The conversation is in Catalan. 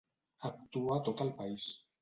Actua a tot el país.